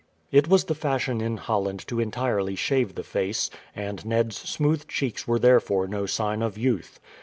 It was the fashion in Holland to entirely shave the face, and Ned's smooth cheeks were therefore no sign of youth.